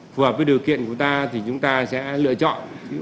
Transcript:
phù hợp với điều kiện của ta thì chúng ta sẽ lựa chọn